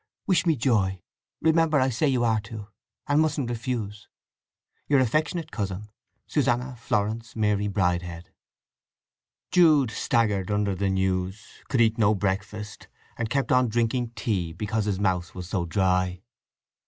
Wish me joy. Remember I say you are to, and you mustn't refuse!—Your affectionate cousin, SUSANNA FLORENCE MARY BRIDEHEAD. Jude staggered under the news; could eat no breakfast; and kept on drinking tea because his mouth was so dry.